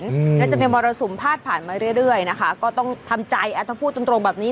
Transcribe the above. และจะมีมรสุมภาษาผ่านมาเรื่อยนะคะก็ต้องทำใจต้องพูดตรงแบบนี้